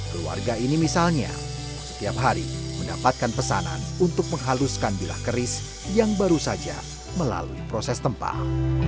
keluarga ini misalnya setiap hari mendapatkan pesanan untuk menghaluskan bilah keris yang baru saja melalui proses tempah